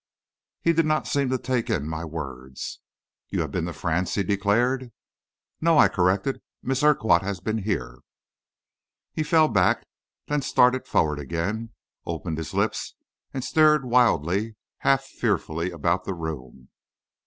He did not seem to take in my words. "You have been to France?" he declared. "No," I corrected; "Miss Urquhart has been here." He fell back, then started forward again, opened his lips and stared wildly, half fearfully about the room.